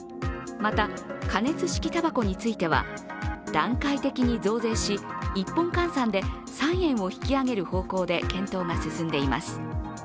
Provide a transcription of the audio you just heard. また、加熱式たばこについては段階的に増税し１本換算で３円を引き上げる方向で検討が進んでいます。